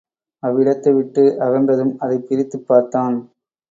அவ்விடத்தை விட்டு அகன்றதும் அதைப் பிரித்துப் பார்த்தான்.